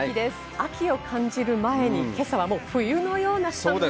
秋を感じる前に今朝は冬のような寒さで。